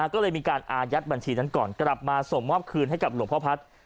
ก็เลยมีการอายัดบัญชีนั้นก่อนกลับมาส่งมอบคืนให้กับหลวงพ่อพัฒน์